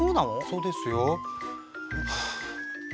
そうですよ。はあ。